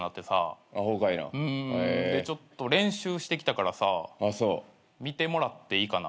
ちょっと練習してきたからさ見てもらっていいかな？